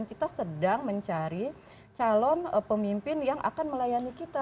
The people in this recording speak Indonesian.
kita sedang mencari calon pemimpin yang akan melayani kita